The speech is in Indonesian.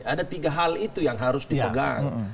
ada tiga hal itu yang harus dipegang